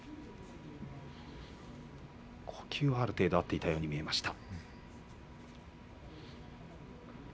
呼吸はある程度合っていたように見えました。